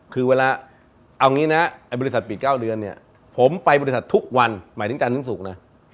คือเวลาเอาอย่างนี้นะบริษัทปิดเก้าเดือนเนี่ยผมไปบริษัททุกวันหมายถึงจันทร์จันทร์สุขนะ